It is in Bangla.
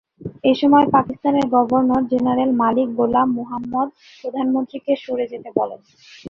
এসময় পাকিস্তানের গভর্নর জেনারেল মালিক গোলাম মুহাম্মদ প্রধানমন্ত্রীকে সরে যেতে বলেন।